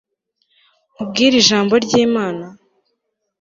nkubwire ijambo ry'imana